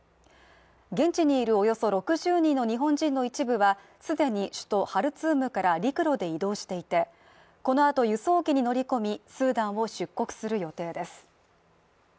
現地にいるおよそ６０人の日本人の一部は既に首都ハルツームから陸路で移動していて、このあと輸送機に乗り込み、スーダンを出国する予定です。